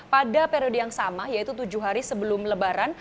pada periode yang sama yaitu tujuh hari sebelum lebaran